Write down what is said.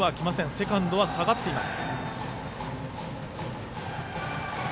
セカンドは下がっています。